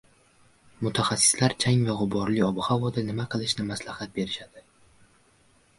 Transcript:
Mutaxassislar chang va g‘uborli ob-havoda nima qilishni maslahat berishadi?